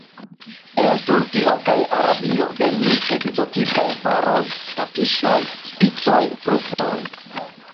El Turkio kaj Arabio venis ekzotikaj varoj: tapiŝoj, spicoj, fruktoj.